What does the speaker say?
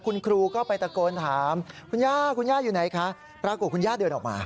คุณครูก็ไปตะโกนถามคุณย่าคุณย่าอยู่ไหนคะปรากฏคุณย่าเดินออกมา